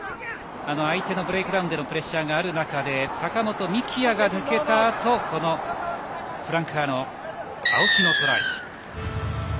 相手のブレイクダウンでのプレッシャーがある中で高本幹也が抜けたあとフランカーの青木のトライ。